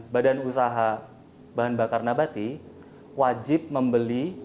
badan usaha bahan bakar nabati wajib membeli